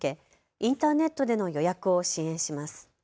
インターネットでの予約を支援します。